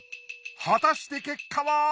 果たして結果は！？